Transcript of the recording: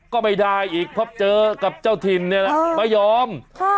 ก็ไม่ได้อีกเพราะเจอกับเจ้าทินไม่ยอม